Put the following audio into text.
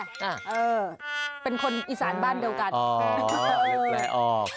เออเป็นคนอีสานบ้านเดียวกันแปลออก